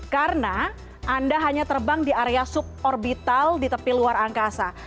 karena anda hanya terbang di area suborbital di tepi luar angkasa